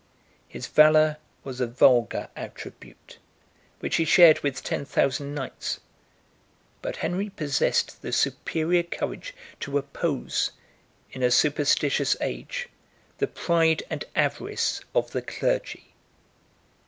His valor was a vulgar attribute, which he shared with ten thousand knights; but Henry possessed the superior courage to oppose, in a superstitious age, the pride and avarice of the clergy.